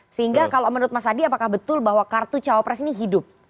sehingga kalau menurut mas adi apakah betul bahwa kartu cawapres ini hidup